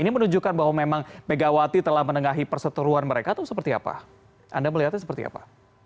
memang megawati telah menengahi perseteruan mereka atau seperti apa anda melihatnya seperti apa